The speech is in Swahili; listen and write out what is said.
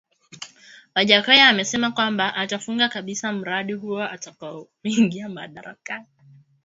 Wajackoya amesema kwamba atafunga kabisa mradi huo atakapoingia madarakani